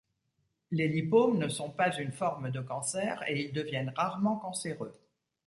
Les lipomes ne sont pas une forme de cancer et ils deviennent rarement cancéreux.